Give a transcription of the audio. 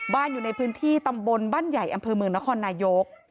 อยู่ในพื้นที่ตำบลบ้านใหญ่อำเภอเมืองนครนายก